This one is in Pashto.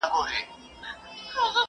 سم نیت ځواک نه خرابوي.